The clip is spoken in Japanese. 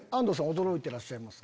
驚いてらっしゃいますけど。